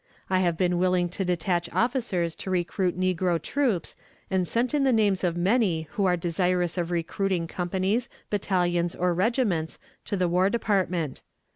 I have been willing to detach officers to recruit negro troops, and sent in the names of many who are desirous of recruiting companies, battalions, or regiments, to the War Department.